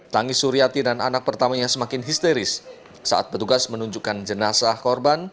tangis suriati dan anak pertamanya semakin histeris saat petugas menunjukkan jenazah korban